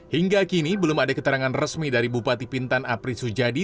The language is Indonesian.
hingga kini belum ada keterangan resmi dari bupati bintan apri sujadi